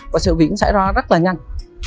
và sự việc cũng xảy ra rất là nhanh